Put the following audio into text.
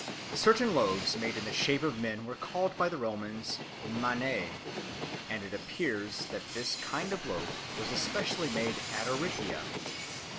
Certain loaves made in the shape of men were called by the Romans maniae, and it appears that this kind of loaf was especially made at Aricia.